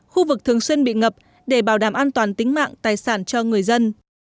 khu vực thường xuyên bị ngập để bảo đảm an toàn tính mạng tài sản cho người dân